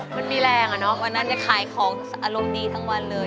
มันมีแรงอ่ะเนอะวันนั้นจะขายของอารมณ์ดีทั้งวันเลย